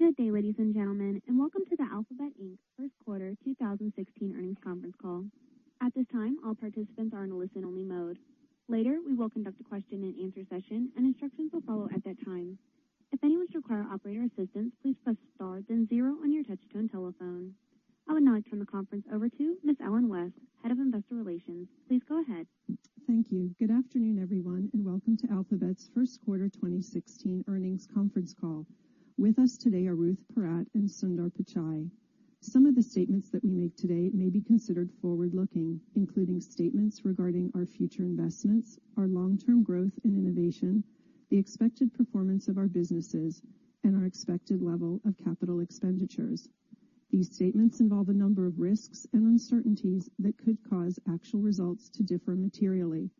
Good day, ladies and gentlemen, and welcome to the Alphabet Inc. First Quarter 2016 earnings conference call. At this time, all participants are in a listen-only mode. Later, we will conduct a question-and-answer session, and instructions will follow at that time. If any of us require operator assistance, please press star then zero on your touch-tone telephone. I would now turn the conference over to Ms. Ellen West, Head of Investor Relations. Please go ahead. Thank you. Good afternoon, everyone, and welcome to Alphabet's first quarter 2016 earnings conference call. With us today are Ruth Porat and Sundar Pichai. Some of the statements that we make today may be considered forward-looking, including statements regarding our future investments, our long-term growth and innovation, the expected performance of our businesses, and our expected level of capital expenditures. These statements involve a number of risks and uncertainties that could cause actual results to differ materially.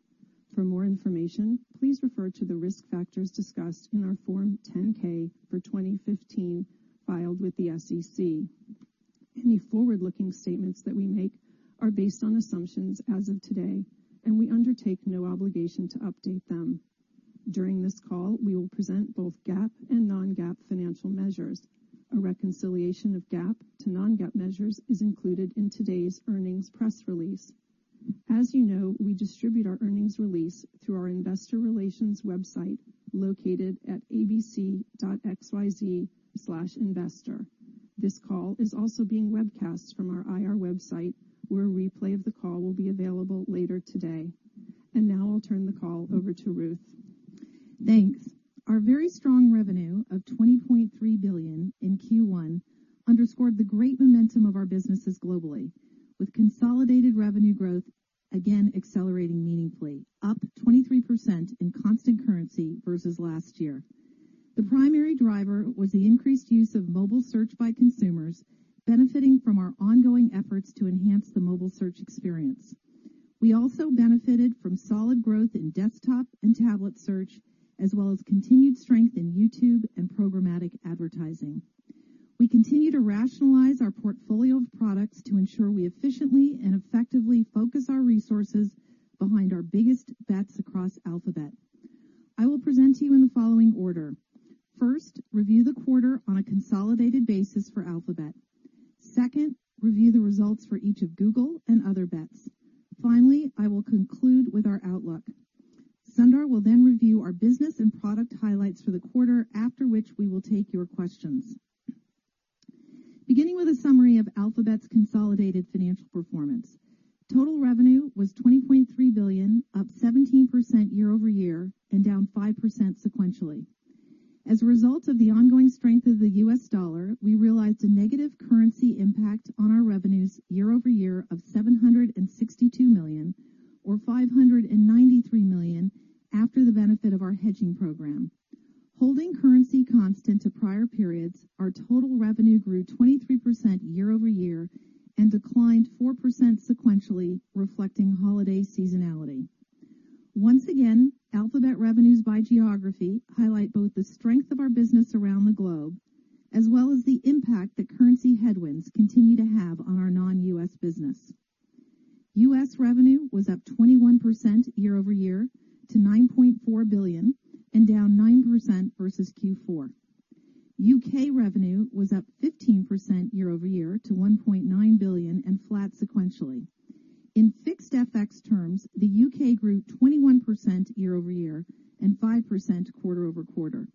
For more information, please refer to the risk factors discussed in our Form 10-K for 2015 filed with the SEC. Any forward-looking statements that we make are based on assumptions as of today, and we undertake no obligation to update them. During this call, we will present both GAAP and non-GAAP financial measures. A reconciliation of GAAP to non-GAAP measures is included in today's earnings press release. As you know, we distribute our earnings release through our Investor Relations website located at abc.xyz/investor. This call is also being webcast from our IR website, where a replay of the call will be available later today. And now I'll turn the call over to Ruth. Thanks. Our very strong revenue of $20.3 billion in Q1 underscored the great momentum of our businesses globally, with consolidated revenue growth again accelerating meaningfully, up 23% in constant currency versus last year. The primary driver was the increased use of mobile search by consumers, benefiting from our ongoing efforts to enhance the mobile search experience. We also benefited from solid growth in desktop and tablet search, as well as continued strength in YouTube and programmatic advertising. We continue to rationalize our portfolio of products to ensure we efficiently and effectively focus our resources behind our biggest bets across Alphabet. I will present to you in the following order. First, review the quarter on a consolidated basis for Alphabet. Second, review the results for each of Google and Other Bets. Finally, I will conclude with our outlook. Sundar will then review our business and product highlights for the quarter, after which we will take your questions. Beginning with a summary of Alphabet's consolidated financial performance, total revenue was $20.3 billion, up 17% year-over-year and down 5% sequentially. As a result of the ongoing strength of the U.S. dollar, we realized a negative currency impact on our revenues year-over-year of $762 million, or $593 million, after the benefit of our hedging program. Holding currency constant to prior periods, our total revenue grew 23% year-over-year and declined 4% sequentially, reflecting holiday seasonality. Once again, Alphabet revenues by geography highlight both the strength of our business around the globe, as well as the impact that currency headwinds continue to have on our non-U.S. business. U.S. revenue was up 21% year-over-year to $9.4 billion and down 9% versus Q4. U.K. revenue was up 15% year-over-year to $1.9 billion and flat sequentially. In fixed FX terms, the U.K. grew 21% year-over-year and 5% quarter over quarter.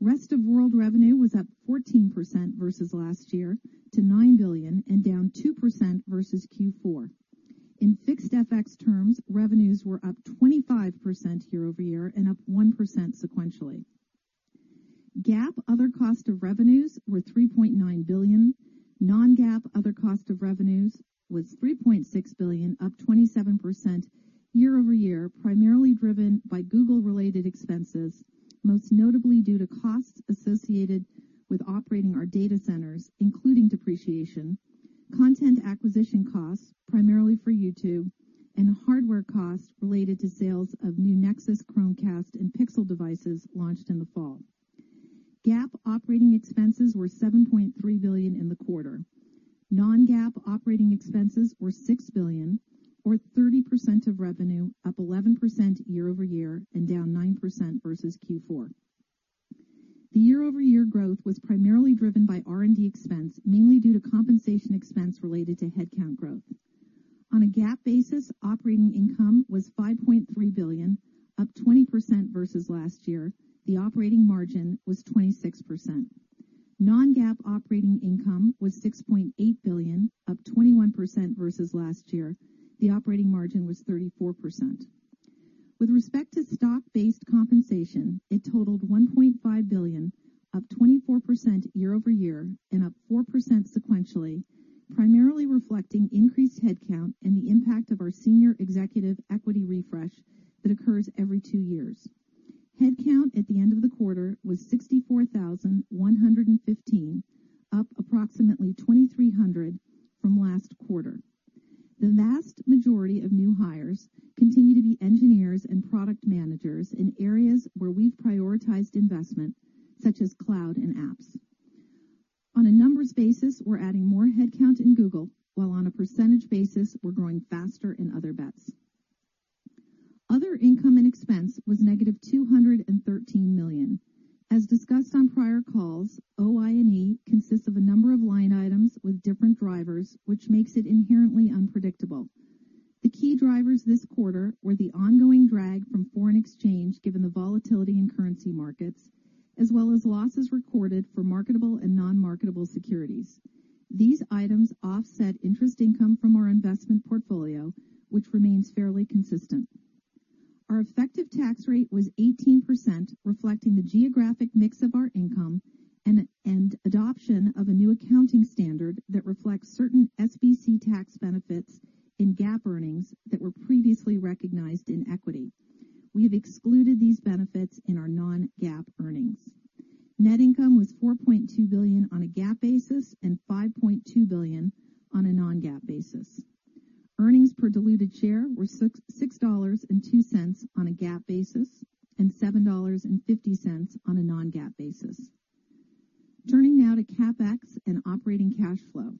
Rest of World revenue was up 14% versus last year to $9 billion and down 2% versus Q4. In fixed FX terms, revenues were up 25% year-over-year and up 1% sequentially. GAAP other cost of revenues were $3.9 billion. Non-GAAP other cost of revenues was $3.6 billion, up 27% year-over-year, primarily driven by Google-related expenses, most notably due to costs associated with operating our data centers, including depreciation, content acquisition costs, primarily for YouTube, and hardware costs related to sales of new Nexus, Chromecast and Pixel devices launched in the fall. GAAP operating expenses were $7.3 billion in the quarter. Non-GAAP operating expenses were $6 billion, or 30% of revenue, up 11% year-over-year and down 9% versus Q4. The year-over-year growth was primarily driven by R&D expense, mainly due to compensation expense related to headcount growth. On a GAAP basis, operating income was $5.3 billion, up 20% versus last year. The operating margin was 26%. Non-GAAP operating income was $6.8 billion, up 21% versus last year. The operating margin was 34%. With respect to stock-based compensation, it totaled $1.5 billion, up 24% year-over-year and up 4% sequentially, primarily reflecting increased headcount and the impact of our senior executive equity refresh that occurs every two years. Headcount at the end of the quarter was 64,115, up approximately 2,300 from last quarter. The vast majority of new hires continue to be engineers and product managers in areas where we've prioritized investment, such as cloud and apps. On a numbers basis, we're adding more headcount in Google, while on a percentage basis, we're growing faster in Other Bets. Other income and expense was negative $213 million. As discussed on prior calls, OI&E consists of a number of line items with different drivers, which makes it inherently unpredictable. The key drivers this quarter were the ongoing drag from foreign exchange given the volatility in currency markets, as well as losses recorded for marketable and non-marketable securities. These items offset interest income from our investment portfolio, which remains fairly consistent. Our effective tax rate was 18%, reflecting the geographic mix of our income and adoption of a new accounting standard that reflects certain SBC tax benefits in GAAP earnings that were previously recognized in equity. We have excluded these benefits in our non-GAAP earnings. Net income was $4.2 billion on a GAAP basis and $5.2 billion on a non-GAAP basis. Earnings per diluted share were $6.02 on a GAAP basis and $7.50 on a non-GAAP basis. Turning now to CapEx and operating cash flow.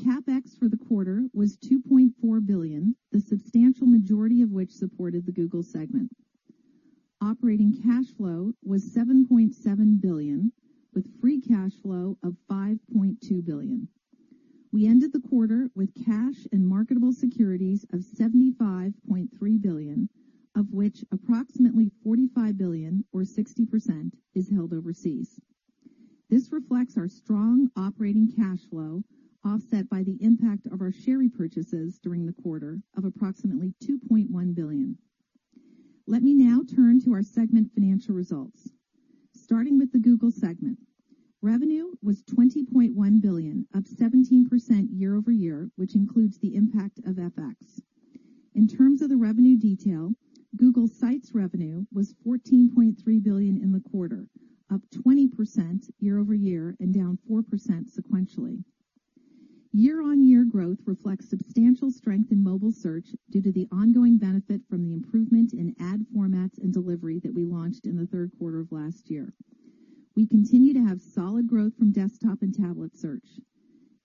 CapEx for the quarter was $2.4 billion, the substantial majority of which supported the Google segment. Operating cash flow was $7.7 billion, with free cash flow of $5.2 billion. We ended the quarter with cash and marketable securities of $75.3 billion, of which approximately $45 billion, or 60%, is held overseas. This reflects our strong operating cash flow, offset by the impact of our share repurchases during the quarter of approximately $2.1 billion. Let me now turn to our segment financial results. Starting with the Google segment, revenue was $20.1 billion, up 17% year-over-year, which includes the impact of FX. In terms of the revenue detail, Google sites revenue was $14.3 billion in the quarter, up 20% year-over-year and down 4% sequentially. Year-on-year growth reflects substantial strength in mobile search due to the ongoing benefit from the improvement in ad formats and delivery that we launched in the third quarter of last year. We continue to have solid growth from desktop and tablet search.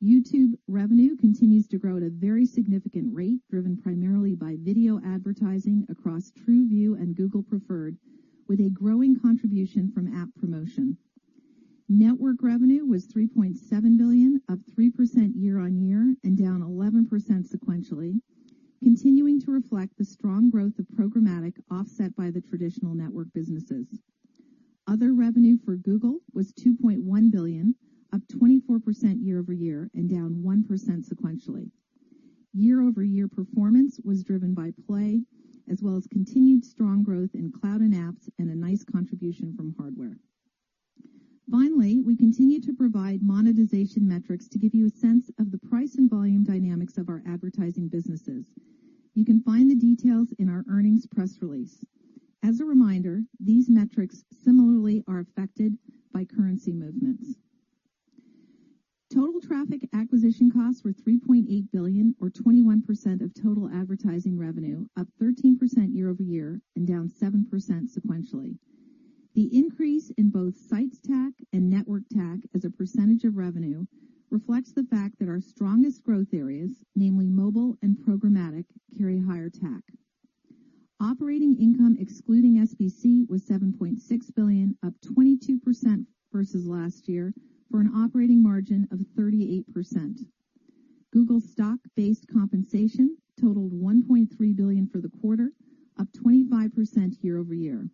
YouTube revenue continues to grow at a very significant rate, driven primarily by video advertising across TrueView and Google Preferred, with a growing contribution from app promotion. Network revenue was $3.7 billion, up 3% year on year and down 11% sequentially, continuing to reflect the strong growth of programmatic offset by the traditional network businesses. Other revenue for Google was $2.1 billion, up 24% year-over-year and down 1% sequentially. Year-over-year performance was driven by Play, as well as continued strong growth in cloud and apps and a nice contribution from hardware. Finally, we continue to provide monetization metrics to give you a sense of the price and volume dynamics of our advertising businesses. You can find the details in our earnings press release. As a reminder, these metrics similarly are affected by currency movements. Total traffic acquisition costs were $3.8 billion, or 21% of total advertising revenue, up 13% year-over-year and down 7% sequentially. The increase in both sites TAC and Network TAC as a percentage of revenue reflects the fact that our strongest growth areas, namely mobile and programmatic, carry higher TAC. Operating income excluding SBC was $7.6 billion, up 22% versus last year, for an operating margin of 38%. Google stock-based compensation totaled $1.3 billion for the quarter, up 25% year-over-year.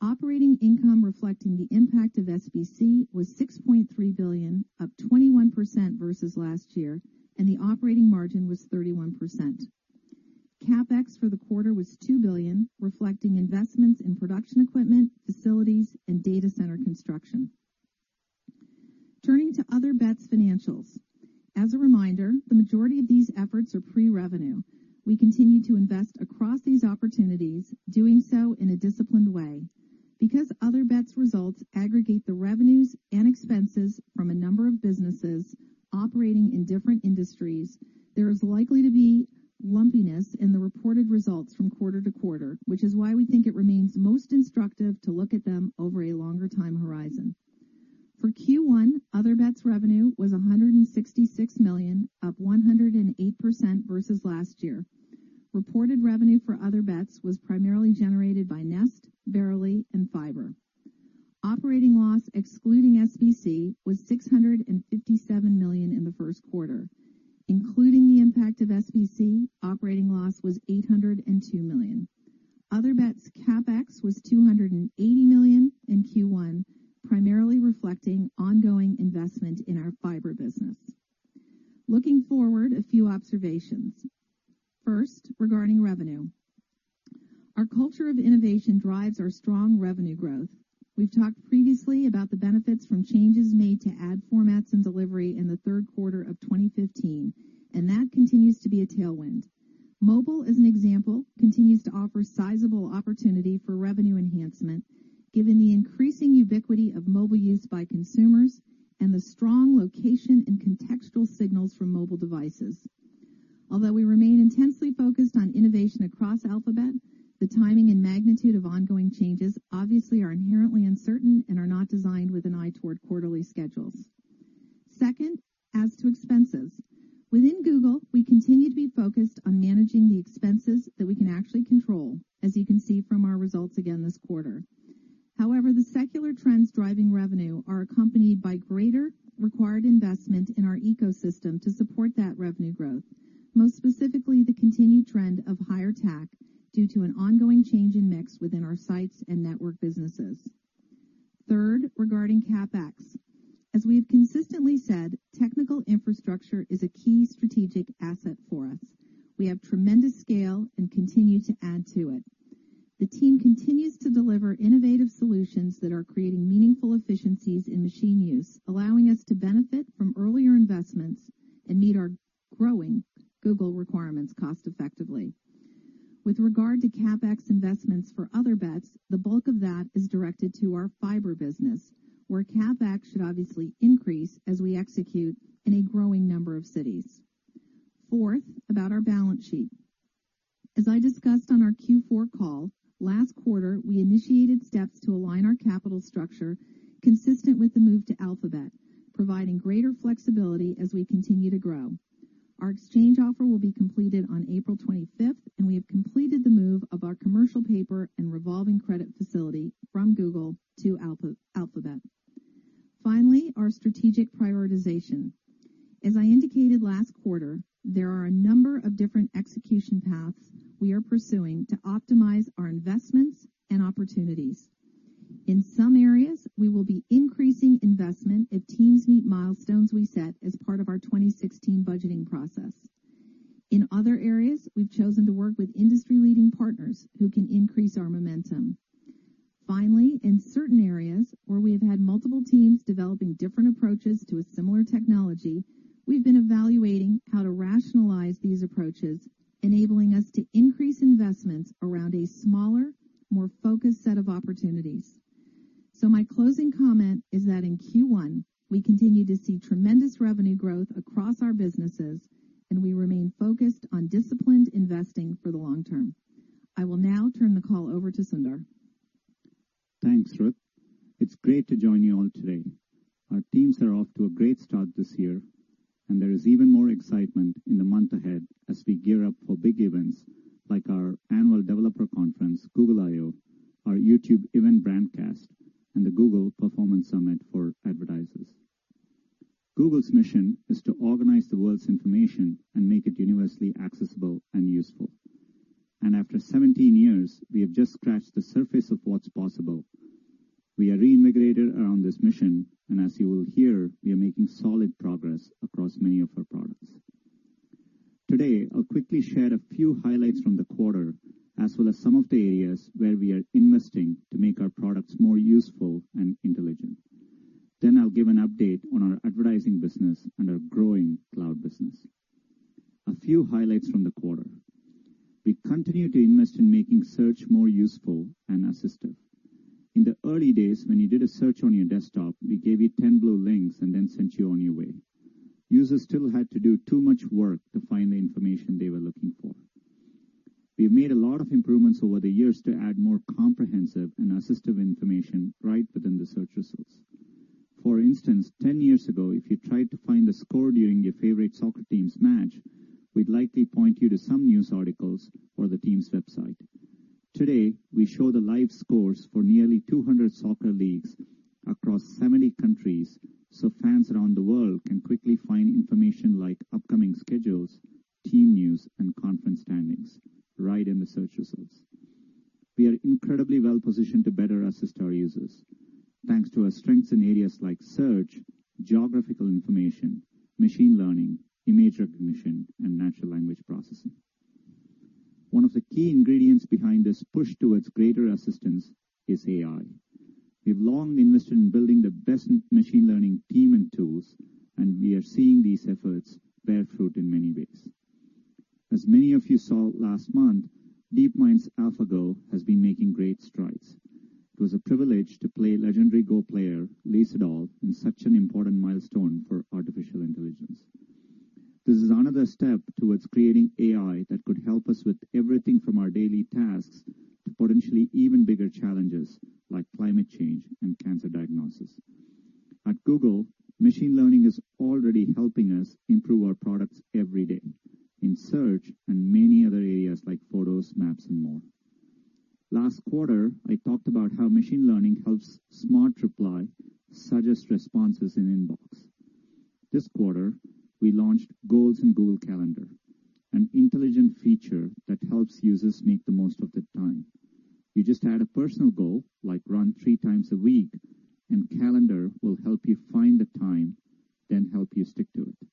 Operating income reflecting the impact of SBC was $6.3 billion, up 21% versus last year, and the operating margin was 31%. CapEx for the quarter was $2 billion, reflecting investments in production equipment, facilities, and data center construction. Turning to Other Bets financials. As a reminder, the majority of these efforts are pre-revenue. We continue to invest across these opportunities, doing so in a disciplined way. Because Other Bets results aggregate the revenues and expenses from a number of businesses operating in different industries, there is likely to be lumpiness in the reported results from quarter to quarter, which is why we think it remains most instructive to look at them over a longer time horizon. For Q1, Other Bets revenue was $166 million, up 108% versus last year. Reported revenue for Other Bets was primarily generated by Nest, Verily, and Google Fiber. Operating loss excluding SBC was $657 million in the first quarter. Including the impact of SBC, operating loss was $802 million. Other Bets CapEx was $280 million in Q1, primarily reflecting ongoing investment in our Fiber business. Looking forward, a few observations. First, regarding revenue. Our culture of innovation drives our strong revenue growth. We've talked previously about the benefits from changes made to ad formats and delivery in the third quarter of 2015, and that continues to be a tailwind. Mobile, as an example, continues to offer sizable opportunity for revenue enhancement, given the increasing ubiquity of mobile use by consumers and the strong location and contextual signals from mobile devices. Although we remain intensely focused on innovation across Alphabet, the timing and magnitude of ongoing changes obviously are inherently uncertain and are not designed with an eye toward quarterly schedules. Second, as to expenses. Within Google, we continue to be focused on managing the expenses that we can actually control, as you can see from our results again this quarter. However, the secular trends driving revenue are accompanied by greater required investment in our ecosystem to support that revenue growth, most specifically the continued trend of higher TAC due to an ongoing change in mix within our sites and network businesses. Third, regarding CapEx. As we have consistently said, technical infrastructure is a key strategic asset for us. We have tremendous scale and continue to add to it. The team continues to deliver innovative solutions that are creating meaningful efficiencies in machine use, allowing us to benefit from earlier investments and meet our growing Google requirements cost-effectively. With regard to CapEx investments for Other Bets, the bulk of that is directed to our Fiber business, where CapEx should obviously increase as we execute in a growing number of cities. Fourth, about our balance sheet. As I discussed on our Q4 call, last quarter we initiated steps to align our capital structure consistent with the move to Alphabet, providing greater flexibility as we continue to grow. Our exchange offer will be completed on April 25th, and we have completed the move of our commercial paper and revolving credit facility from Google to Alphabet. Finally, our strategic prioritization. As I indicated last quarter, there are a number of different execution paths we are pursuing to optimize our investments and opportunities. In some areas, we will be increasing investment if teams meet milestones we set as part of our 2016 budgeting process. In other areas, we've chosen to work with industry-leading partners who can increase our momentum. Finally, in certain areas where we have had multiple teams developing different approaches to a similar technology, we've been evaluating how to rationalize these approaches, enabling us to increase investments around a smaller, more focused set of opportunities. So my closing comment is that in Q1, we continue to see tremendous revenue growth across our businesses, and we remain focused on disciplined investing for the long term. I will now turn the call over to Sundar. Thanks, Ruth. It's great to join you all today. Our teams are off to a great start this year, and there is even more excitement in the month ahead as we gear up for big events like our annual developer conference, Google I/O, our YouTube event Brandcast, and the Google Performance Summit for advertisers. Google's mission is to organize the world's information and make it universally accessible and useful. And after 17 years, we have just scratched the surface of what's possible. We are reinvigorated around this mission, and as you will hear, we are making solid progress across many of our products. Today, I'll quickly share a few highlights from the quarter, as well as some of the areas where we are investing to make our products more useful and intelligent. Then I'll give an update on our advertising business and our growing Cloud business. A few highlights from the quarter. We continue to invest in making search more useful and assistive. In the early days, when you did a search on your desktop, we gave you 10 blue links and then sent you on your way. Users still had to do too much work to find the information they were looking for. We have made a lot of improvements over the years to add more comprehensive and assistive information right within the search results. For instance, 10 years ago, if you tried to find a score during your favorite soccer team's match, we'd likely point you to some news articles or the team's website. Today, we show the live scores for nearly 200 soccer leagues across 70 countries, so fans around the world can quickly find information like upcoming schedules, team news, and conference standings right in the search results. We are incredibly well-positioned to better assist our users, thanks to our strengths in areas like search, geographical information, machine learning, image recognition, and natural language processing. One of the key ingredients behind this push towards greater assistance is AI. We've long invested in building the best machine learning team and tools, and we are seeing these efforts bear fruit in many ways. As many of you saw last month, DeepMind's AlphaGo has been making great strides. It was a privilege to play legendary Go player Lee Sedol in such an important milestone for artificial intelligence. This is another step towards creating AI that could help us with everything from our daily tasks to potentially even bigger challenges like climate change and cancer diagnosis. At Google, machine learning is already helping us improve our products every day in search and many other areas like Photos, Maps, and more. Last quarter, I talked about how machine learning helps Smart Reply suggest responses in Inbox. This quarter, we launched Goals in Google Calendar, an intelligent feature that helps users make the most of their time. You just add a personal goal, like run three times a week, and Calendar will help you find the time, then help you stick to it.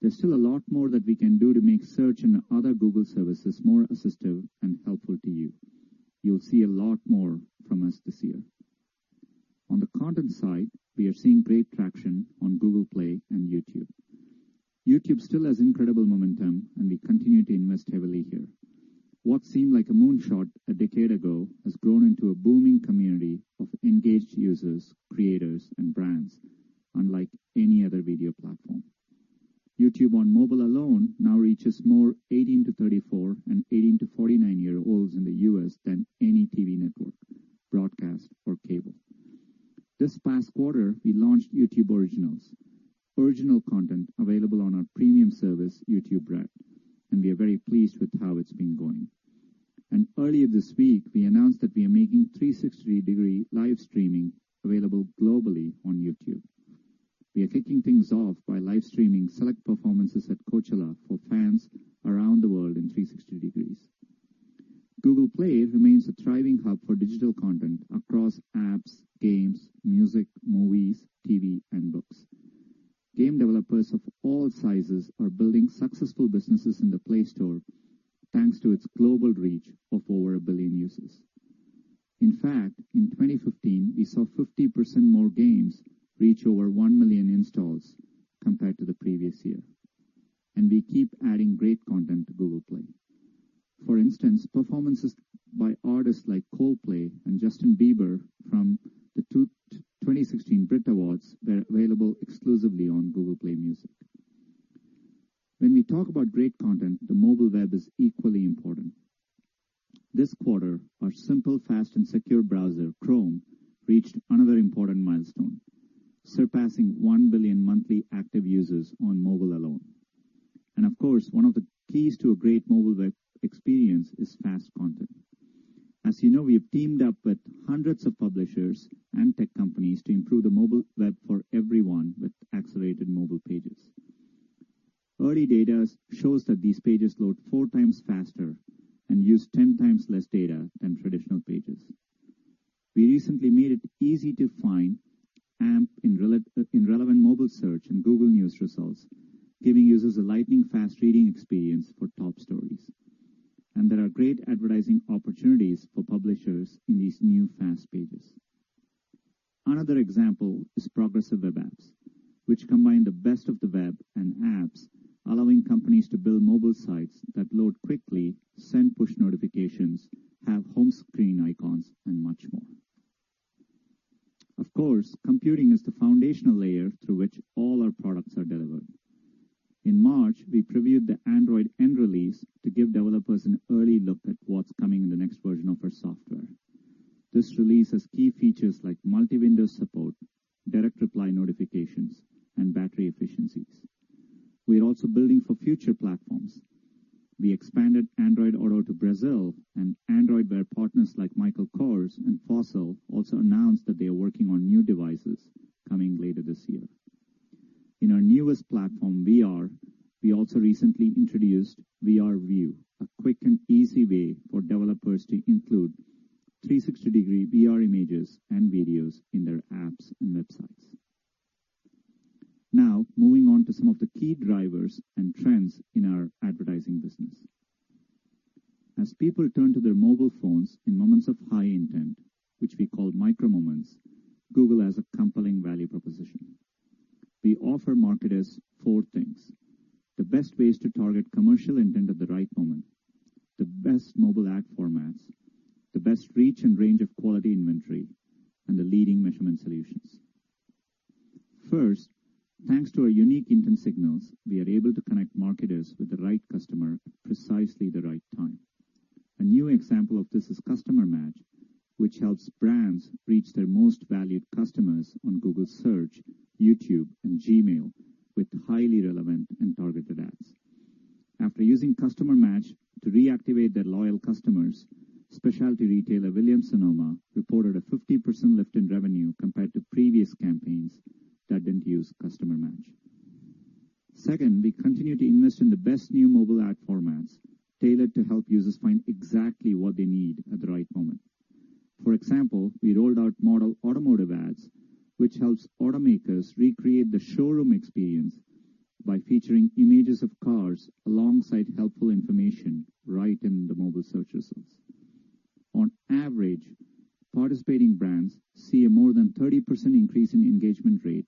There's still a lot more that we can do to make search and other Google services more assistive and helpful to you. You'll see a lot more from us this year. On the content side, we are seeing great traction on Google Play and YouTube. YouTube still has incredible momentum, and we continue to invest heavily here. What seemed like a moonshot a decade ago has grown into a booming community of engaged users, creators, and brands unlike any other video platform. YouTube on mobile alone now reaches more 18-34 and allowing companies to build mobile sites that load quickly, send push notifications, have home screen icons, and much more. Of course, computing is the foundational layer through which all our products are delivered. In March, we previewed the Android N release to give developers an early look at what's coming in the next version of our software. This release has key features like multi-window support, direct reply notifications, and battery efficiencies. We are also building for future platforms. We expanded Android Auto to Brazil, and Android Wear partners like Michael Kors and Fossil also announced that they are working on new devices coming later this year. In our newest platform, VR, we also recently introduced VR View, a quick and easy way for developers to include 360-degree VR images and videos in their apps and websites. Now, moving on to some of the key drivers and trends in our advertising business. As people turn to their mobile phones in moments of high intent, which we call micro-moments, Google has a compelling value proposition. We offer marketers four things: the best ways to target commercial intent at the right moment, the best mobile ad formats, the best reach and range of quality inventory, and the leading measurement solutions. First, thanks to our unique intent signals, we are able to connect marketers with the right customer at precisely the right time. A new example of this is Customer Match, which helps brands reach their most valued customers on Google Search, YouTube, and Gmail with highly relevant and targeted ads. After using Customer Match to reactivate their loyal customers, specialty retailer Williams-Sonoma reported a 50% lift in revenue compared to previous campaigns that didn't use Customer Match. Second, we continue to invest in the best new mobile ad formats tailored to help users find exactly what they need at the right moment. For example, we rolled out Model Automotive Ads, which helps automakers recreate the showroom experience by featuring images of cars alongside helpful information right in the mobile search results. On average, participating brands see a more than 30% increase in engagement rate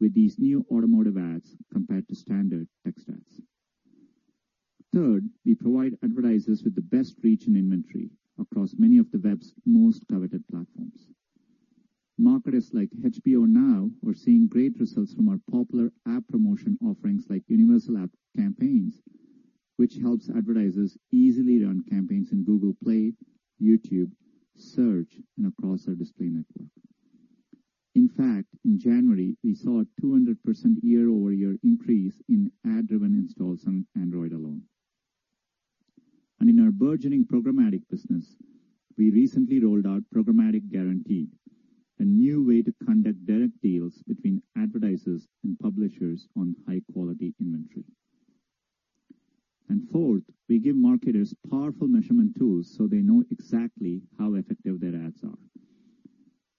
with these new automotive ads compared to standard text ads. Third, we provide advertisers with the best reach and inventory across many of the web's most coveted platforms. Marketers like HBO Now are seeing great results from our popular app promotion offerings like Universal App Campaigns, which helps advertisers easily run campaigns in Google Play, YouTube, Search, and across our Display Network. In fact, in January, we saw a 200% year-over-year increase in ad-driven installs on Android alone. And in our burgeoning programmatic business, we recently rolled out Programmatic Guaranteed, a new way to conduct direct deals between advertisers and publishers on high-quality inventory. And fourth, we give marketers powerful measurement tools so they know exactly how effective their ads are.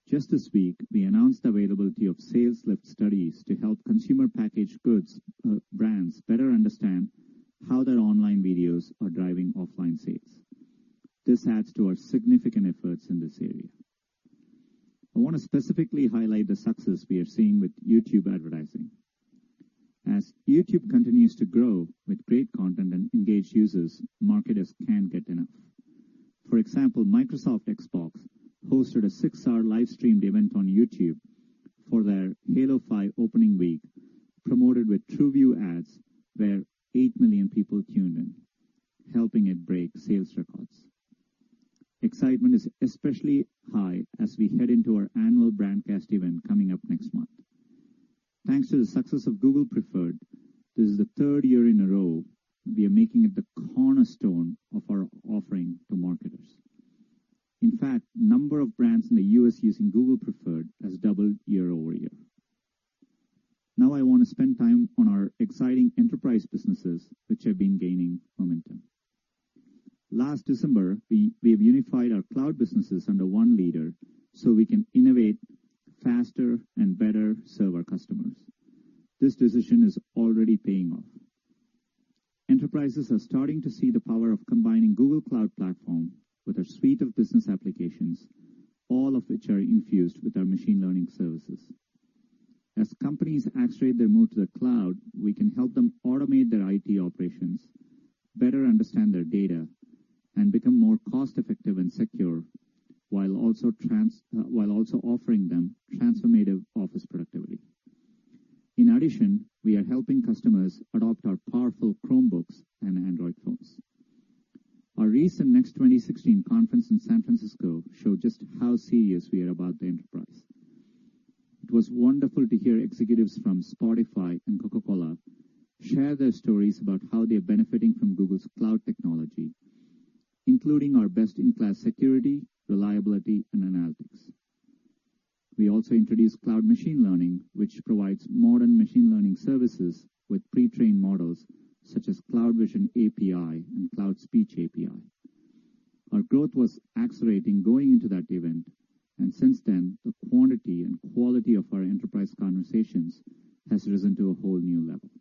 Just this week, we announced the availability of Sales Lift Studies to help consumer packaged goods brands better understand how their online videos are driving offline sales. This adds to our significant efforts in this area. I want to specifically highlight the success we are seeing with YouTube advertising. As YouTube continues to grow with great content and engaged users, marketers can't get enough. For example, Microsoft Xbox hosted a six-hour live-streamed event on YouTube for their Halo 5 opening week, promoted with TrueView ads where eight million people tuned in, helping it break sales records. Excitement is especially high as we head into our annual Brandcast event coming up next month. Thanks to the success of Google Preferred, this is the third year in a row we are making it the cornerstone of our offering to marketers. In fact, the number of brands in the U.S. using Google Preferred has doubled year-over-year. Now, I want to spend time on our exciting Enterprise businesses, which have been gaining momentum. Last December, we have unified our cloud businesses under one leader so we can innovate faster and better serve our customers. This decision is already paying off. Enterprises are starting to see the power of combining Google Cloud Platform with our suite of business applications, all of which are infused with our machine learning services. As companies accelerate their move to the cloud, we can help them automate their IT operations, better understand their data, and become more cost-effective and secure while also offering them transformative office productivity. In addition, we are helping customers adopt our powerful Chromebooks and Android phones. Our recent Next 2016 conference in San Francisco showed just how serious we are about the enterprise. It was wonderful to hear executives from Spotify and Coca-Cola share their stories about how they are benefiting from Google's cloud technology, including our best-in-class security, reliability, and analytics. We also introduced Cloud Machine Learning, which provides modern machine learning services with pre-trained models such as Cloud Vision API and Cloud Speech API. Our growth was accelerating going into that event, and since then, the quantity and quality of our enterprise conversations has risen to a whole new level.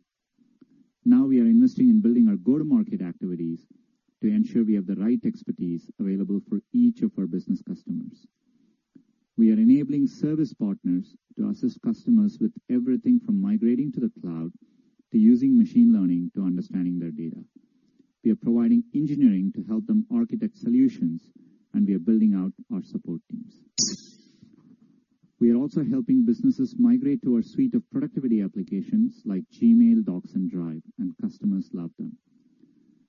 Now, we are investing in building our go-to-market activities to ensure we have the right expertise available for each of our business customers. We are enabling service partners to assist customers with everything from migrating to the cloud to using machine learning to understanding their data. We are providing engineering to help them architect solutions, and we are building out our support teams. We are also helping businesses migrate to our suite of productivity applications like Gmail, Docs, and Drive, and customers love them.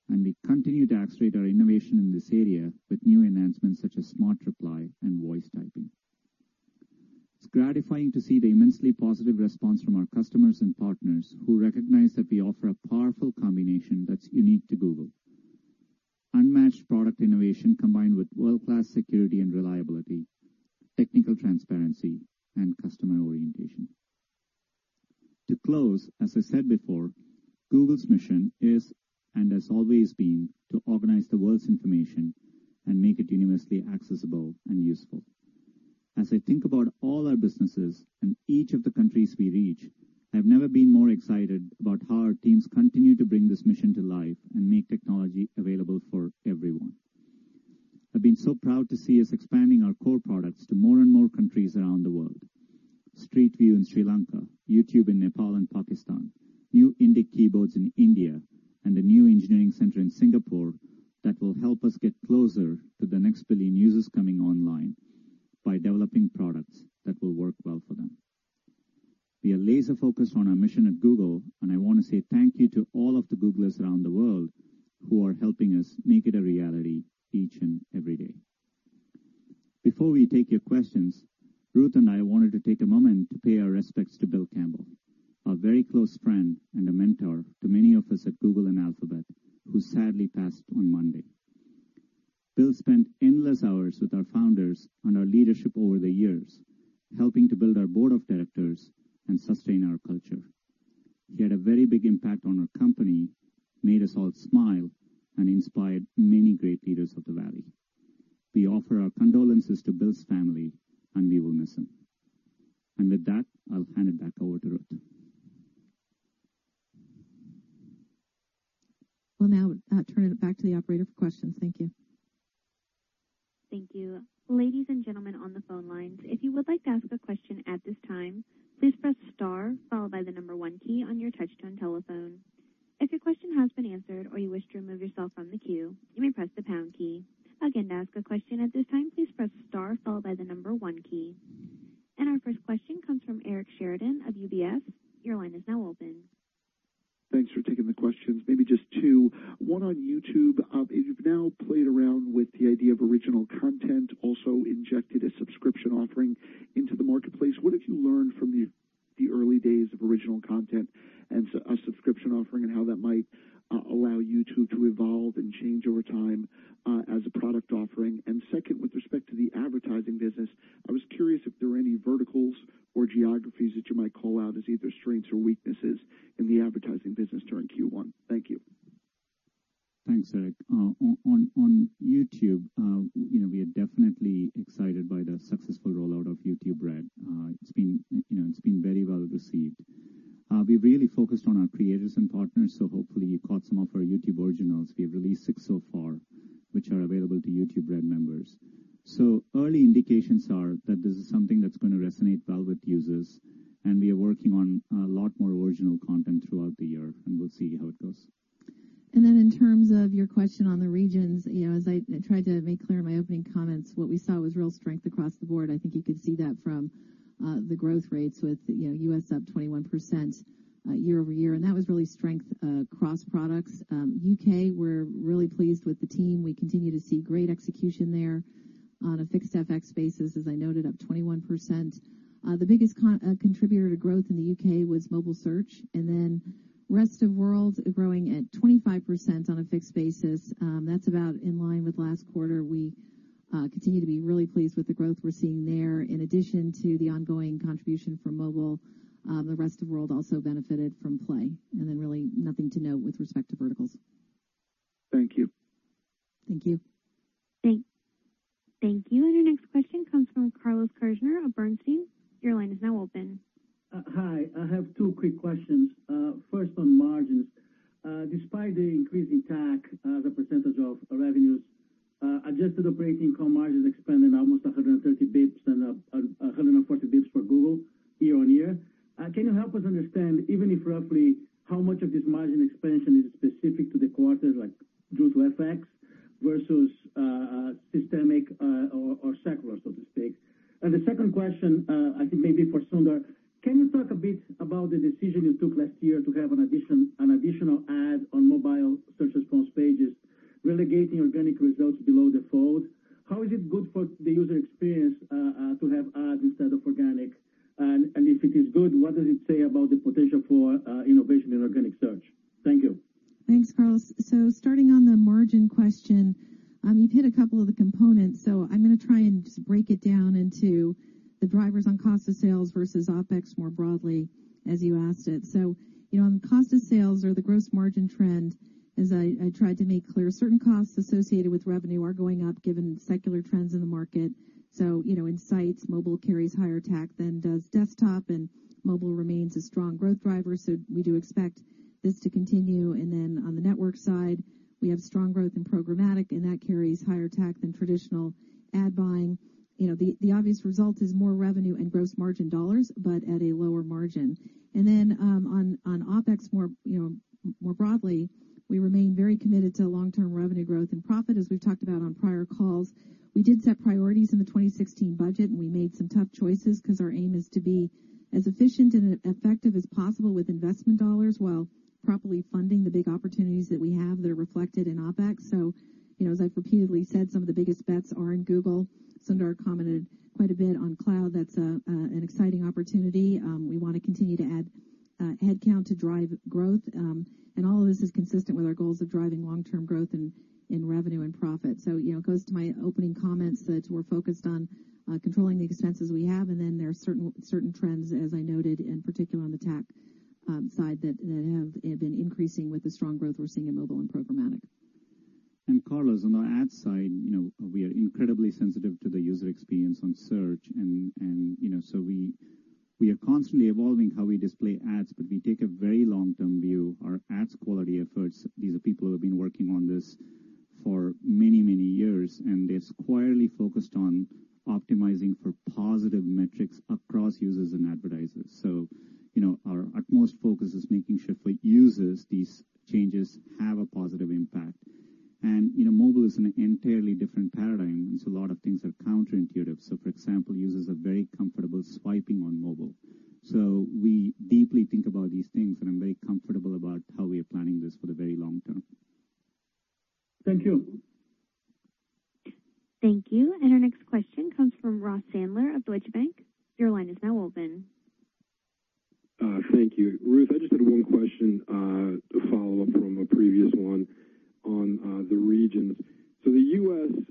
We continue to accelerate our innovation in this area with new enhancements such as Smart Reply and Voice Typing. It's gratifying to see the immensely positive response from our customers and partners who recognize that we offer a powerful combination that's unique to Google: unmatched product innovation combined with world-class security and reliability, technical transparency, and customer orientation. To close, as I said before, Google's mission is, and has always been, to organize the world's information and make it universally accessible and useful. As I think about all our businesses and each of the countries we reach, I have never been more excited about how our teams continue to bring this mission to life and make technology available for everyone. I've been so proud to see us expanding our core products to more and more countries around the world: Street View in Sri Lanka, YouTube in Nepal and Pakistan, new Indic keyboards in India, and a new engineering center in Singapore that will help us get closer to the next billion users coming online by developing products that will work well for them. We are laser-focused on our mission at Google, and I want to say thank you to all of the Googlers around the world who are helping us make it a reality each and every day. Before we take your questions, Ruth and I wanted to take a moment to pay our respects to Bill Campbell, a very close friend and a mentor to many of us at Google and Alphabet, who sadly passed on Monday. Bill spent endless hours with our founders and our leadership over the years, helping to build our board of directors and sustain our culture. He had a very big impact on our company, made us all smile, and inspired many great leaders of the Valley. We offer our condolences to Bill's family, and we will miss him, and with that, I'll hand it back over to Ruth. We'll now turn it back to the operator for questions. Thank you. Thank you. Ladies and gentlemen on the phone lines, if you would like to ask a question open. Hi. I have two quick questions. First, on margins. Despite the increase in TACs, the percentage of revenues, adjusted operating income margins expanded almost 130 basis points and 140 basis points for Google year on year. Can you help us understand, even if roughly, how much of this margin expansion is specific to the quarter, like due to FX versus systemic or secular, so to speak? And the second question, I think maybe for Sundar, can you talk a bit about the decision you took last year to have an additional ad on mobile search response pages relegating organic results below the fold? How is it good for the user experience to have ads instead of organic? And if it is good, what does it say about the potential for innovation in organic search? Thank you. Thanks, Carlos. So starting on the margin question, you've hit a couple of the components, so I'm going to try and just break it down into the drivers on cost of sales versus OpEx more broadly, as you asked it. So on the cost of sales or the gross margin trend, as I tried to make clear, certain costs associated with revenue are going up given secular trends in the market. So in sites, Mobile carries higher TAC than does desktop, and Mobile remains a strong growth driver, so we do expect this to continue. And then on the network side, we have strong growth in programmatic, and that carries higher TAC than traditional ad buying. The obvious result is more revenue and gross margin dollars, but at a lower margin. And then on OpEx more broadly, we remain very committed to long-term revenue growth and profit, as we've talked about on prior calls. We did set priorities in the 2016 budget, and we made some tough choices because our aim is to be as efficient and effective as possible with investment dollars while properly funding the big opportunities that we have that are reflected in OpEx. So as I've repeatedly said, some of the biggest bets are in Google. Sundar commented quite a bit on cloud. That's an exciting opportunity. We want to continue to add headcount to drive growth, and all of this is consistent with our goals of driving long-term growth in revenue and profit. So it goes to my opening comments that we're focused on controlling the expenses we have, and then there are certain trends, as I noted, in particular on the tech side that have been increasing with the strong growth we're seeing in mobile and programmatic. Carlos, on the ad side, we are incredibly sensitive to the user experience on search, and so we are constantly evolving how we display ads, but we take a very long-term view. Our ads quality efforts, these are people who have been working on this for many, many years, and they're squarely focused on optimizing for positive metrics across users and advertisers. So our utmost focus is making sure for users these changes have a positive impact. Mobile is an entirely different paradigm, and so a lot of things are counterintuitive. So for example, users are very comfortable swiping on mobile. So we deeply think about these things, and I'm very comfortable about how we are planning this for the very long term. Thank you. Thank you. Our next question comes from Ross Sandler of Deutsche Bank. Your line is now open. Thank you. Ruth, I just had one question to follow up from a previous one on the regions. So the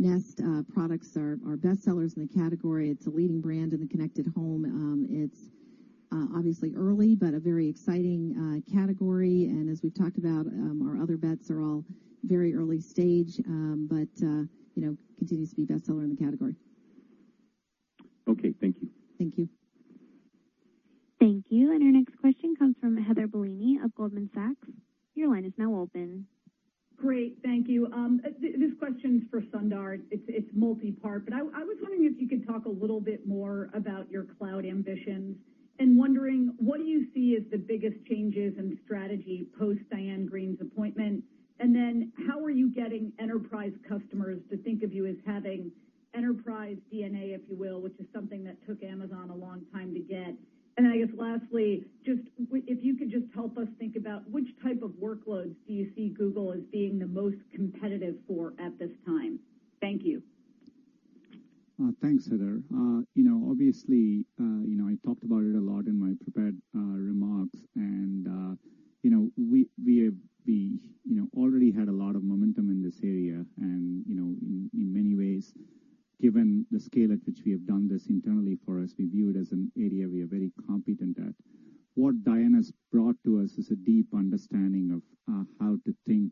Nest products are best sellers in the category. It's a leading brand in the connected home. It's obviously early, but a very exciting category. As we've talked about, our Other Bets are all very early stage, but continues to be best seller in the category. Okay. Thank you. Thank you. Thank you. And our next question comes from Heather Bellini of Goldman Sachs. Your line is now open. Great. Thank you. This question is for Sundar. It's multi-part, but I was wondering if you could talk a little bit more about your cloud ambitions and wondering what do you see as the biggest changes in strategy post-Diane Greene's appointment? And then how are you getting enterprise customers to think of you as having enterprise DNA, if you will, which is something that took Amazon a long time to get? And I guess lastly, just if you could just help us think about which type of workloads do you see Google as being the most competitive for at this time? Thank you. Thanks, Heather. Obviously, I talked about it a lot in my prepared remarks, and we already had a lot of momentum in this area. And in many ways, given the scale at which we have done this internally for us, we view it as an area we are very competent at. What Diane has brought to us is a deep understanding of how to think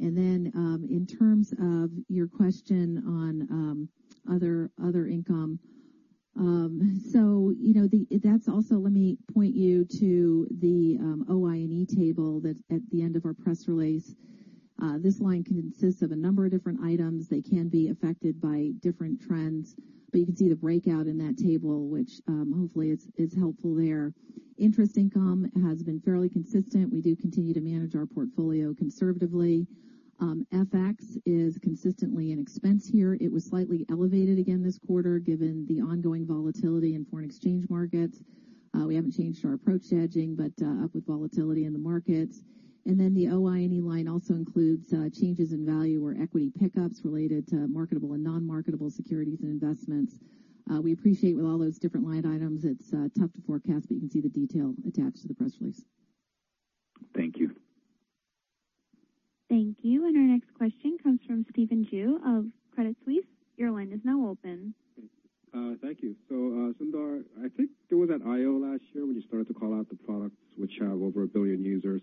And then in terms of your question on other income, so that's also, let me point you to the OI&E table that's at the end of our press release. This line consists of a number of different items. They can be affected by different trends, but you can see the breakout in that table, which hopefully is helpful there. Interest income has been fairly consistent. We do continue to manage our portfolio conservatively. FX is consistently in expense here. It was slightly elevated again this quarter given the ongoing volatility in foreign exchange markets. We haven't changed our approach to hedging, but up with volatility in the markets. And then the OI&E line also includes changes in value or equity pickups related to marketable and non-marketable securities and investments. We appreciate with all those different line items, it's tough to forecast, but you can see the detail attached to the press release. Thank you. Thank you. And our next question comes from Stephen Ju of Credit Suisse. Your line is now open. Thank you. So Sundar, I think it was at I/O last year when you started to call out the products which have over a billion users.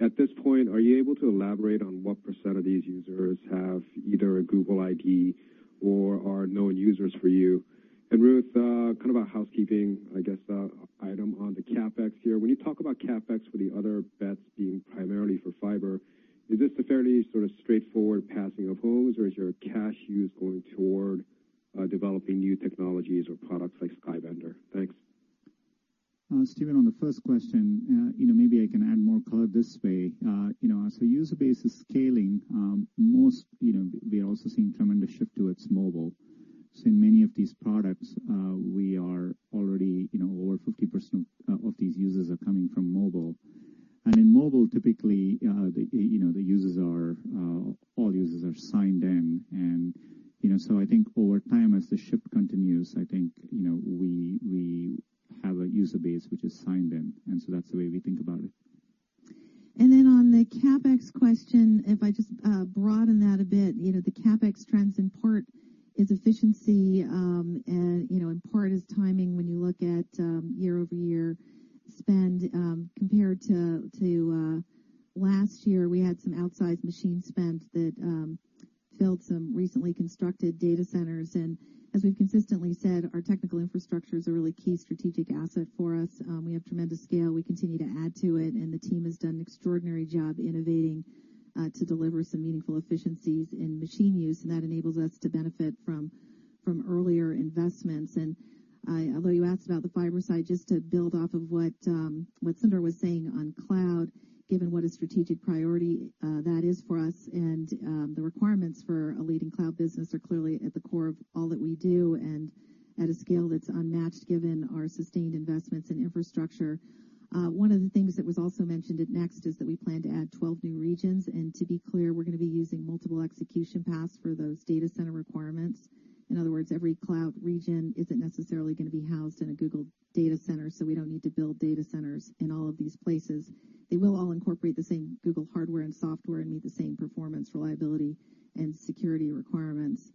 At this point, are you able to elaborate on what percent of these users have either a Google ID or are known users for you? And Ruth, kind of a housekeeping, I guess, item on the CapEx here. When you talk about CapEx with the Other Bets being primarily for Fiber, is this a fairly sort of straightforward passing of homes, or is your cash used going toward developing new technologies or products like SkyBender? Thanks. Stephen, on the first question, maybe I can add more color this way. As the user base is scaling, we are also seeing a tremendous shift to its Mobile. So in many of these products, we are already over 50% of these users are coming from Mobile. And in Mobile, typically, all users are signed in. And so I think over time, as the shift continues, I think we have a user base which is signed in. And so that's the way we think about it. Then on the CapEx question, if I just broaden that a bit, the CapEx trends in part is efficiency, and in part is timing when you look at year-over-year spend. Compared to last year, we had some outsized machine spend that filled some recently constructed data centers. As we've consistently said, our technical infrastructure is a really key strategic asset for us. We have tremendous scale. We continue to add to it, and the team has done an extraordinary job innovating to deliver some meaningful efficiencies in machine use, and that enables us to benefit from earlier investments. And although you asked about the Fiber side, just to build off of what Sundar was saying on cloud, given what a strategic priority that is for us and the requirements for a leading cloud business are clearly at the core of all that we do and at a scale that's unmatched given our sustained investments in infrastructure. One of the things that was also mentioned at Next is that we plan to add 12 new regions. And to be clear, we're going to be using multiple execution paths for those data center requirements. In other words, every cloud region isn't necessarily going to be housed in a Google data center, so we don't need to build data centers in all of these places. They will all incorporate the same Google hardware and software and meet the same performance, reliability, and security requirements.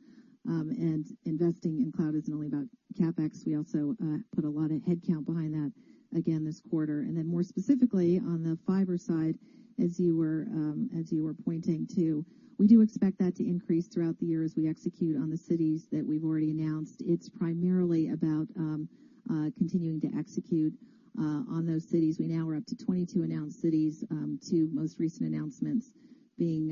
Investing in cloud isn't only about CapEx. We also put a lot of headcount behind that again this quarter. And then more specifically on the Fiber side, as you were pointing to, we do expect that to increase throughout the year as we execute on the cities that we've already announced. It's primarily about continuing to execute on those cities. We now are up to 22 announced cities, two most recent announcements being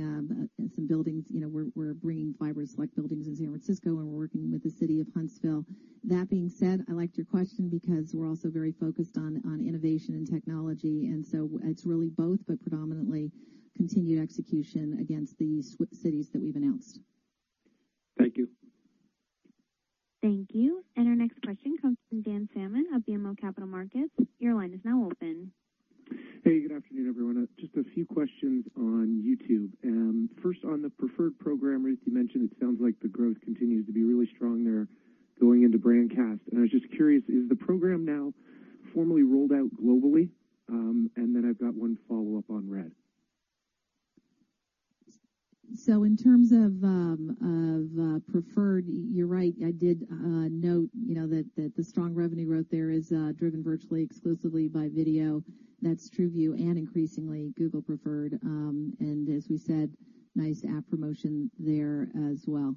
some buildings. We're bringing Fiber to select buildings in San Francisco, and we're working with the City of Huntsville. That being said, I liked your question because we're also very focused on innovation and technology. And so it's really both, but predominantly continued execution against the cities that we've announced. Thank you. Thank you. And our next question comes from Dan Salmon of BMO Capital Markets. Your line is now open. Hey, good afternoon, everyone. Just a few questions on YouTube. First, on the Preferred program, Ruth, you mentioned it sounds like the growth continues to be really strong there going into Brandcast. And I was just curious, is the program now formally rolled out globally? And then I've got one follow-up on Red. So in terms of Preferred, you're right. I did note that the strong revenue growth there is driven virtually exclusively by video. That's TrueView and increasingly Google Preferred. And as we said, nice app promotion there as well.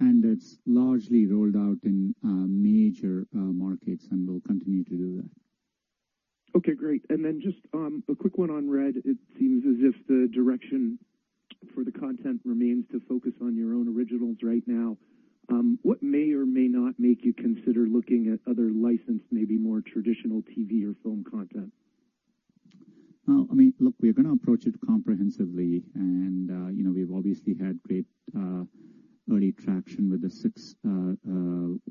It's largely rolled out in major markets and will continue to do that. Okay, great. And then just a quick one on Red. It seems as if the direction for the content remains to focus on your own Originals right now. What may or may not make you consider looking at other licensed, maybe more traditional TV or film content? Well, I mean, look, we're going to approach it comprehensively, and we've obviously had great early traction with the six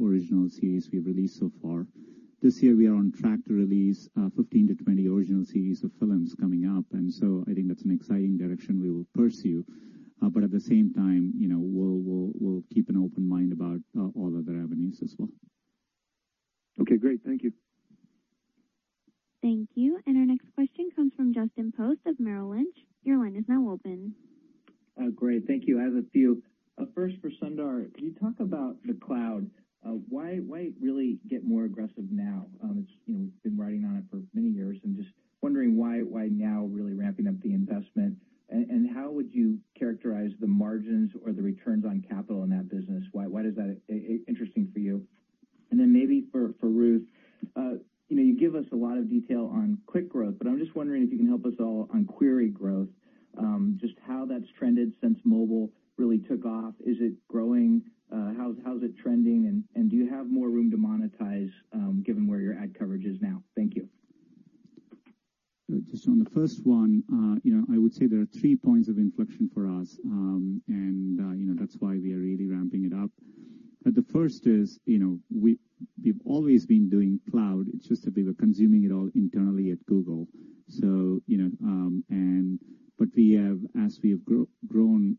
original series we've released so far. This year, we are on track to release 15 to 20 original series or films coming up, and so I think that's an exciting direction we will pursue, but at the same time, we'll keep an open mind about all other avenues as well. Okay, great. Thank you. Thank you. And our next question comes from Justin Post of Merrill Lynch. Your line is now open. Great. Thank you. I have a few. First, for Sundar, you talk about the cloud. Why really get more aggressive now? We've been riding on it for many years and just wondering why now really ramping up the investment? And how would you characterize the margins or the returns on capital in that business? Why is that interesting for you? And then maybe for Ruth, you give us a lot of detail on Q4 growth, but I'm just wondering if you can help us all on query growth, just how that's trended since Mobile really took off. Is it growing? How's it trending? And do you have more room to monetize given where your ad coverage is now? Thank you. So on the first one, I would say there are three points of inflection for us, and that's why we are really ramping it up. But the first is we've always been doing cloud. It's just that we were consuming it all internally at Google. But as we have grown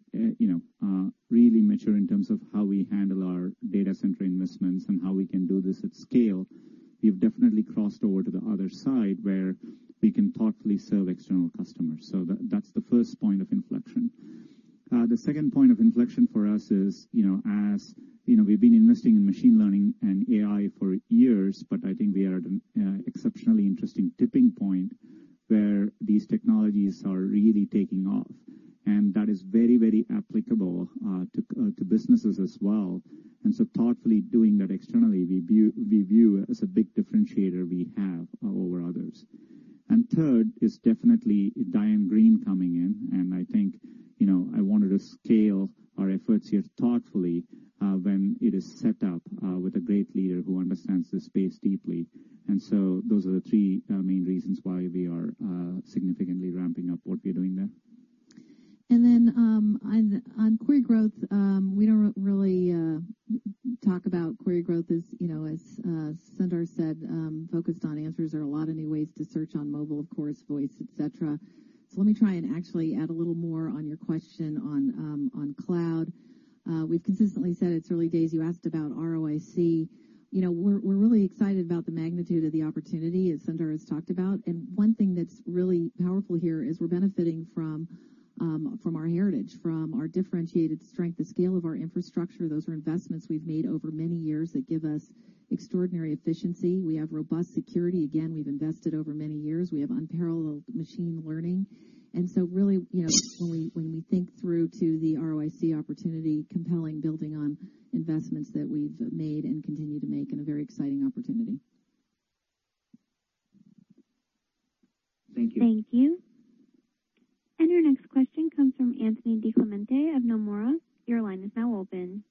really mature in terms of how we handle our data center investments and how we can do this at scale, we've definitely crossed over to the other side where we can thoughtfully serve external customers. So that's the first point of inflection. The second point of inflection for us is as we've been investing in machine learning and AI for years, but I think we are at an exceptionally interesting tipping point where these technologies are really taking off. And that is very, very applicable to businesses as well. And so, thoughtfully doing that externally, we view as a big differentiator we have over others. And third is definitely Diane Greene coming in. And I think I wanted to scale our efforts here thoughtfully when it is set up with a great leader who understands the space deeply. And so those are the three main reasons why we are significantly ramping up what we are doing there. Then on query growth, we don't really talk about query growth as Sundar said, focused on answers. There are a lot of new ways to search on mobile, of course, voice, etc. So let me try and actually add a little more on your question on cloud. We've consistently said it's early days. You asked about ROIC. We're really excited about the magnitude of the opportunity as Sundar has talked about. And one thing that's really powerful here is we're benefiting from our heritage, from our differentiated strength, the scale of our infrastructure. Those are investments we've made over many years that give us extraordinary efficiency. We have robust security. Again, we've invested over many years. We have unparalleled machine learning. And so really, when we think through to the ROIC opportunity, compelling building on investments that we've made and continue to make in a very exciting opportunity. Thank you. Thank you. And our next question comes from Anthony DiClemente of Nomura. Your line is now open.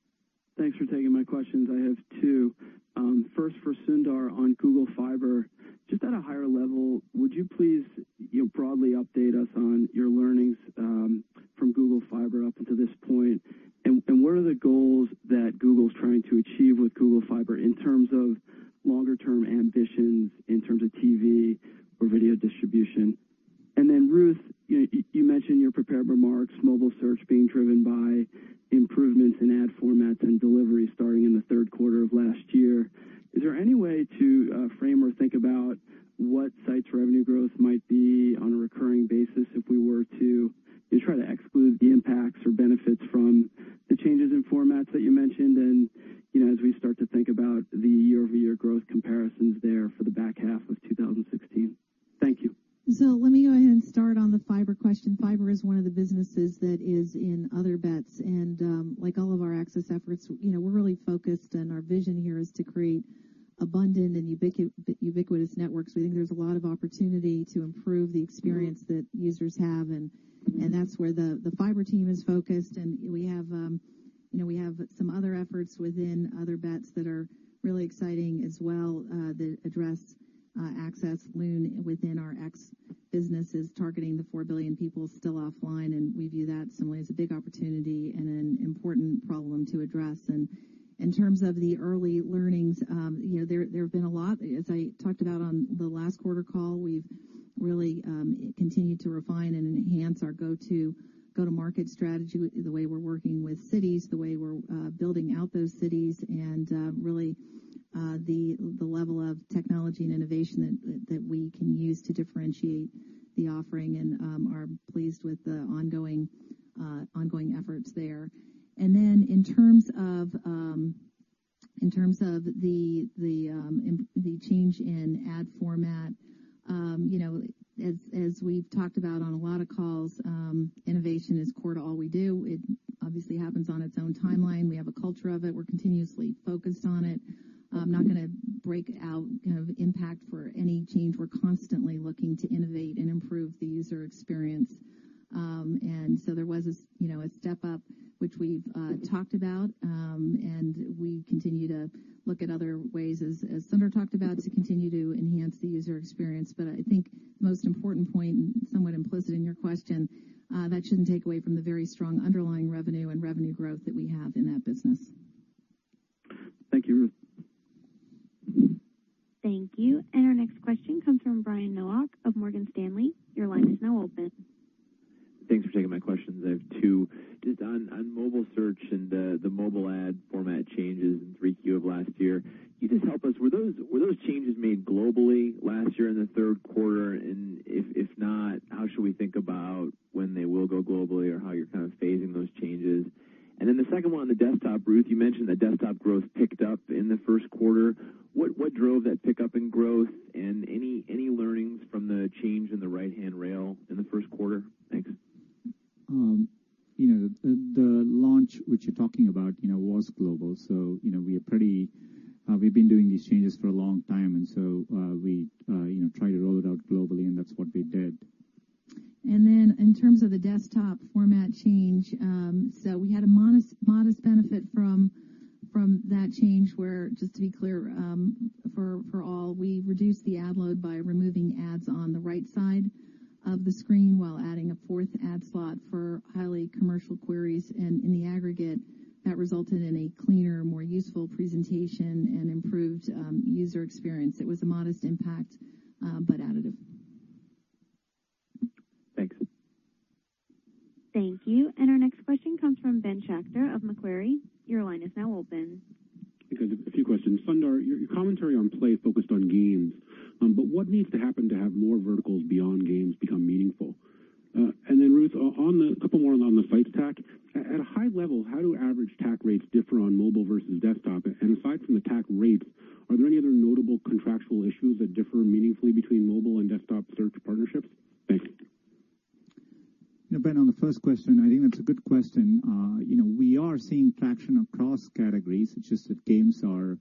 Thanks for taking my questions. I have two. First, for Sundar on Google Fiber, just at a higher level, would you please broadly update us on your learnings from Google Fiber up until this point? And what are the goals that Google is trying to achieve with Google Fiber in terms of longer-term ambitions, in terms of TV or video distribution? And then, Ruth, you mentioned your prepared remarks, Mobile search being driven by improvements in ad formats and delivery starting in the third quarter of last year. Is there any way to frame or think about what Search's revenue growth might be on a recurring basis if we were to try to exclude the impacts or benefits from the changes in formats that you mentioned? And as we start to think about the year-over-year growth comparisons there for the back half of 2016? Thank you. Let me go ahead and start on the Fiber question. Fiber is one of the businesses that is in Other Bets. Like all of our access efforts, we're really focused, and our vision here is to create abundant and ubiquitous networks. We think there's a lot of opportunity to improve the experience that users have. That's where the Fiber team is focused. We have some other efforts within Other Bets that are really exciting as well that address access. Loon within our X business is targeting the four billion people still offline. We view that similarly as a big opportunity and an important problem to address. In terms of the early learnings, there have been a lot. As I talked about on the last quarter call, we've really continued to refine and enhance our go-to-market strategy, the way we're working with cities, the way we're building out those cities, and really the level of technology and innovation that we can use to differentiate the offering, and we are pleased with the ongoing efforts there. And then in terms of the change in ad format, as we've talked about on a lot of calls, innovation is core to all we do. It obviously happens on its own timeline. We have a culture of it. We're continuously focused on it. I'm not going to break out kind of impact for any change. We're constantly looking to innovate and improve the user experience, and so there was a step up, which we've talked about. And we continue to look at other ways, as Sundar talked about, to continue to enhance the user experience. But I think the most important point, somewhat implicit in your question, that shouldn't take away from the very strong underlying revenue and revenue growth that we have in that business. Thank you, Ruth. Thank you. And our next question comes from Brian Nowak of Morgan Stanley. Your line is now open. Thanks for taking my question. I have two. Just on mobile search and the mobile ad format changes in 3Q of last year, can you just help us? Were those changes made globally last year in the third quarter? And if not, how should we think about when they will go globally or how you're kind of phasing those changes? And then the second one on the desktop, Ruth, you mentioned that desktop growth picked up in the first quarter. What drove that pickup in growth? And any learnings from the change in the right-hand rail in the first quarter? Thanks. The launch which you're talking about was global, so we've been doing these changes for a long time, and so we tried to roll it out globally, and that's what we did. And then in terms of the desktop format change, so we had a modest benefit from that change where, just to be clear for all, we reduced the ad load by removing ads on the right side of the screen while adding a fourth ad slot for highly commercial queries. And in the aggregate, that resulted in a cleaner, more useful presentation and improved user experience. It was a modest impact, but additive. Thanks. Thank you. And our next question comes from Ben Schachter of Macquarie. Your line is now open. A few questions. Sundar, your commentary on Play focused on games. But what needs to happen to have more verticals beyond games become meaningful? And then, Ruth, a couple more on the sites TAC. At a high level, how do average TAC rates differ on mobile versus desktop? And aside from the tax rates, are there any other notable contractual issues that differ meaningfully between mobile and desktop search partnerships? Thanks. Yeah, Ben, on the first question, I think that's a good question. We are seeing traction across categories, just that games are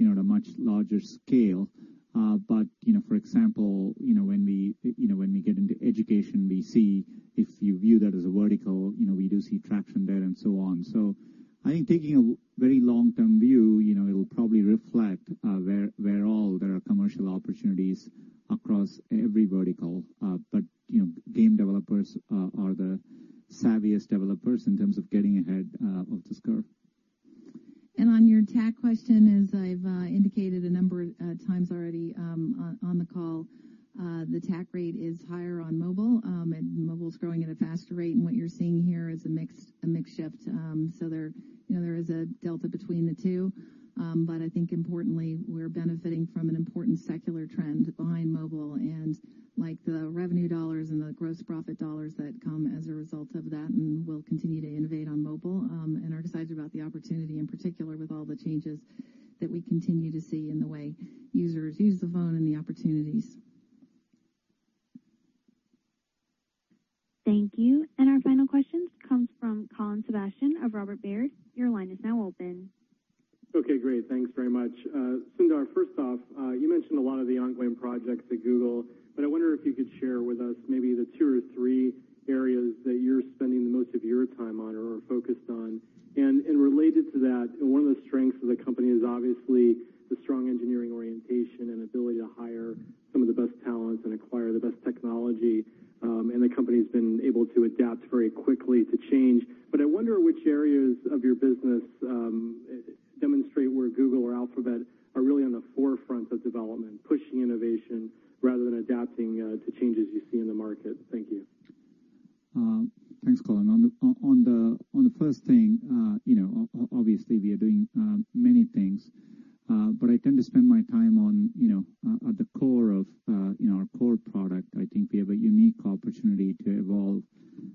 on a much larger scale. But, for example, when we get into education, we see if you view that as a vertical, we do see traction there and so on. So I think taking a very long-term view, it'll probably reflect where all there are commercial opportunities across every vertical. But game developers are the savviest developers in terms of getting ahead of this curve. And on your TAC question, as I've indicated a number of times already on the call, the TAC rate is higher on Mobile. Mobile is growing at a faster rate. And what you're seeing here is a mix shift. So there is a delta between the two. But I think importantly, we're benefiting from an important secular trend behind Mobile. And like the revenue dollars and the gross profit dollars that come as a result of that, and we'll continue to innovate on mobile. And our decision about the opportunity in particular with all the changes that we continue to see in the way users use the phone and the opportunities. Thank you. And our final questions come from Colin Sebastian of Robert Baird. Your line is now open. Okay, great. Thanks very much. Sundar, first off, you mentioned a lot of the ongoing projects at Google. But I wonder if you could share with us maybe the two or three areas that you're spending the most of your time on or focused on? And related to that, one of the strengths of the company is obviously the strong engineering orientation and ability to hire some of the best talents and acquire the best technology. And the company has been able to adapt very quickly to change. But I wonder which areas of your business demonstrate where Google or Alphabet are really on the forefront of development, pushing innovation rather than adapting to changes you see in the market? Thank you. Thanks, Colin. On the first thing, obviously, we are doing many things, but I tend to spend my time at the core of our core product. I think we have a unique opportunity to evolve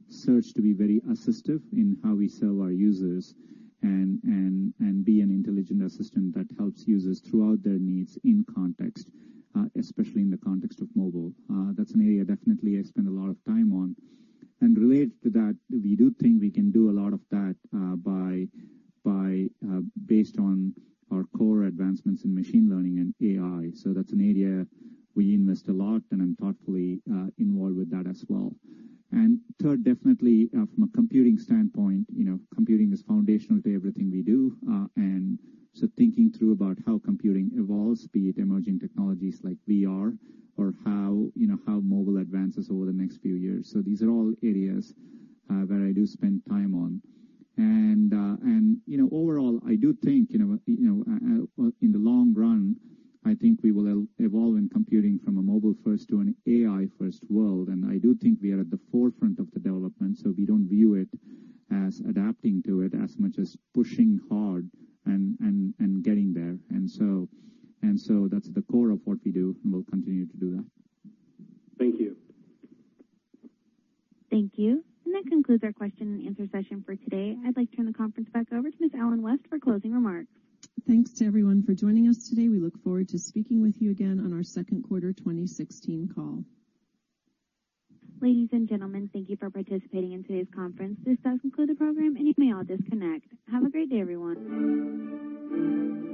search to be very assistive in how we serve our users and be an intelligent assistant that helps users throughout their needs in context, especially in the context of mobile. That's an area definitely I spend a lot of time on, and related to that, we do think we can do a lot of that based on our core advancements in machine learning and AI, so that's an area we invest a lot and I'm thoughtfully involved with that as well, and third, definitely from a computing standpoint, computing is foundational to everything we do. And so, thinking through about how computing evolves, be it emerging technologies like VR or how mobile advances over the next few years. So these are all areas where I do spend time on. And overall, I do think in the long run, I think we will evolve in computing from a mobile-first to an AI-first world. And I do think we are at the forefront of the development. So we don't view it as adapting to it as much as pushing hard and getting there. And so that's the core of what we do, and we'll continue to do that. Thank you. Thank you. And that concludes our question and answer session for today. I'd like to turn the conference back over to Ms. Ellen West for closing remarks. Thanks to everyone for joining us today. We look forward to speaking with you again on our second quarter 2016 call. Ladies and gentlemen, thank you for participating in today's conference. This does conclude the program, and you may all disconnect. Have a great day, everyone.